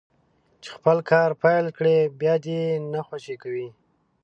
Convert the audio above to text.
چې خپل کار پيل کړي بيا دې يې نه خوشي کوي.